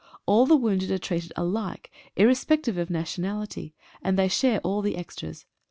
All the wounded are treated alike, irrespec tive of nationality, and they share all the extras.